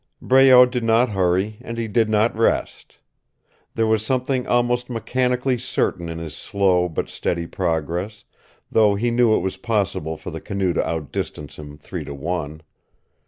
Breault did not hurry, and he did not rest. There was something almost mechanically certain in his slow but steady progress, though he knew it was possible for the canoe to outdistance him three to one.